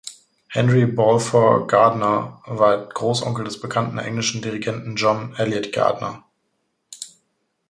Henry Balfour Gardiner war Großonkel des bekannten englischen Dirigenten John Eliot Gardiner.